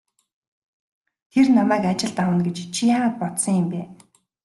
Тэр намайг ажилд авна гэж чи яагаад бодсон юм бэ?